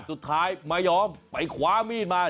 สุดท้ายไม่ยอมไปคว้ามีดมา